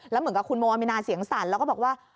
แล้วเหมือนกับคุณโมอามินาเสียงสั่นแล้วก็บอกว่า